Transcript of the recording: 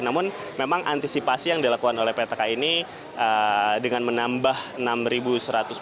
namun memang antisipasi yang dilakukan oleh ptk ini dengan menambah enam satu ratus empat puluh